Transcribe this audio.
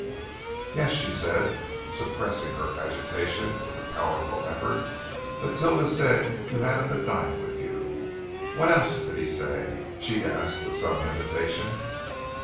"Yes," she said, suppressing her agitation with a powerful effort. "Matilda said you had him to dine with you. What else did he say?" she asked with some hesitation.